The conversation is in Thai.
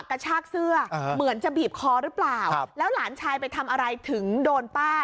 กระชากเสื้อเหมือนจะบีบคอหรือเปล่าแล้วหลานชายไปทำอะไรถึงโดนป้า